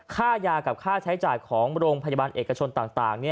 ค่ายากับค่าใช้จ่ายของโรงพยาบาลเอกชนต่าง